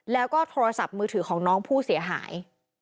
แล้วก็โทรศัพท์มือถือของน้องผู้เสียหาย